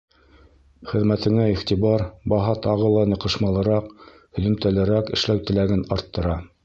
Хеҙмәтеңә иғтибар, баһа тағы ла ныҡышмалыраҡ, һөҙөмтәлерәк эшләү теләген арттыра.